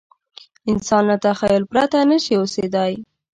انسان له تخیل پرته نه شي اوسېدای.